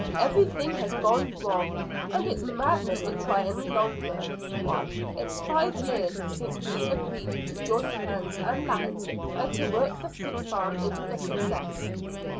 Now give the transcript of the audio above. Everything has gone wrong, and it's madness to try any longer. Why, it's five years since we agreed to join hands and lands and to work the fruit farm into a success."